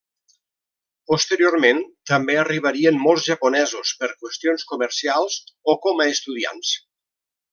Posteriorment, també arribarien molts japonesos per qüestions comercials o com a estudiants.